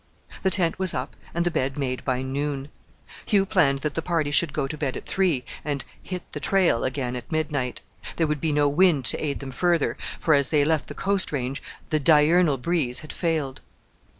The tent was up and the bed made by noon. Hugh planned that the party should go to bed at three, and "hit the trail" again at midnight. There would be no wind to aid them further, for, as they left the coast range, the diurnal breeze had failed.